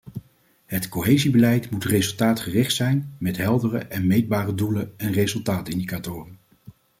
Het cohesiebeleid moet resultaatgericht zijn, met heldere en meetbare doelen en resultaatindicatoren.